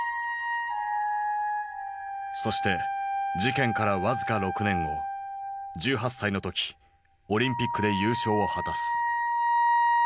そして事件から僅か６年後１８歳の時オリンピックで優勝を果たす。